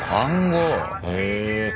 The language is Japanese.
へえ。